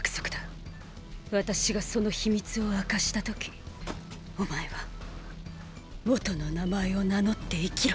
私がその秘密を明かした時お前は元の名前を名乗って生きろ。